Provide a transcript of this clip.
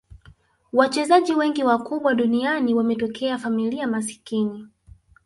wachezaji wengi wakubwa duniani wametokea familia maskini